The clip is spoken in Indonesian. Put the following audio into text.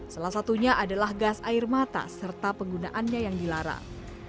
salah satunya adalah gas air mata serta penggunaannya yang dilarang